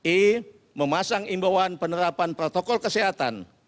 e memasang imbauan penerapan protokol kesehatan